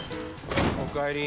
おかえり。